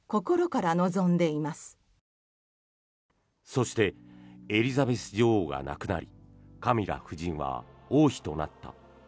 そしてエリザベス女王が亡くなりカミラ夫人は王妃となった。